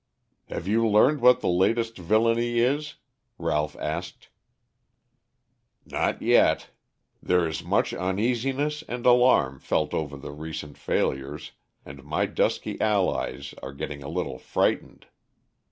"Have you learned what the latest villainy is?" Ralph asked. "Not yet. There is much uneasiness and alarm felt over the recent failures, and my dusky allies are getting a little frightened.